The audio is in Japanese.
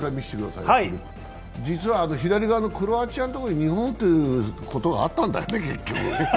実はクロアチアのところに日本ということがあったんだよね、結局。